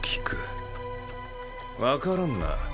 分からんな。